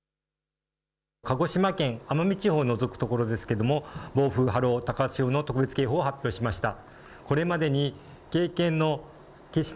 鹿児島県奄美地方を除く所ですけれども暴風、波浪高潮の特別警報を発表しました。